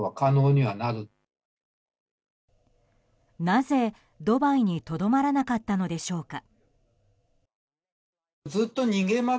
なぜ、ドバイにとどまらなかったのでしょうか。